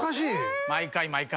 毎回毎回！